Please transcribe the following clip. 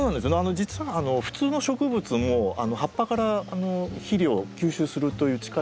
実は普通の植物も葉っぱから肥料を吸収するという力がありまして。